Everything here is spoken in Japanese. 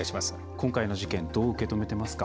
今回の事件どう受け止めてますか？